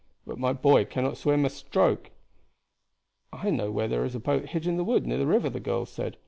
But my boy cannot swim a stroke." "I know where there is a boat hid in the wood near the river," the girl said.